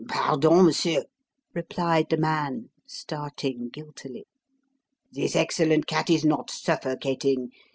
"Pardon, Monsieur," replied the man, starting guiltily. "This excellent cat is not suffocating.